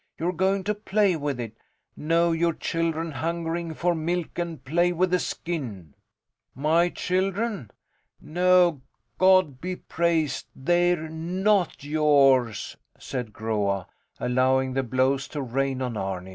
You're going to play with it. Know your children hungering for milk and play with the skin! My children? No, God be praised, they're not yours, said Groa, allowing the blows to rain on Arni.